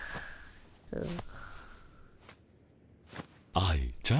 愛ちゃん。